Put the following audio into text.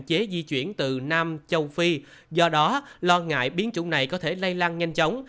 cơ chế di chuyển từ nam châu phi do đó lo ngại biến chủng này có thể lây lan nhanh chóng